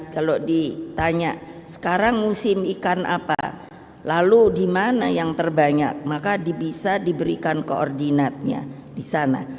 kalau ditanya sekarang musim ikan apa lalu di mana yang terbanyak maka bisa diberikan koordinatnya di sana